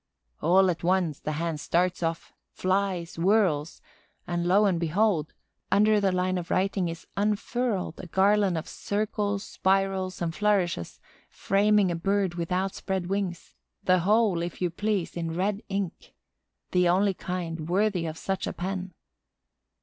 All at once the hand starts off, flies, whirls; and lo and behold, under the line of writing is unfurled a garland of circles, spirals, and flourishes, framing a bird with outspread wings, the whole, if you please, in red ink, the only kind worthy of such a pen.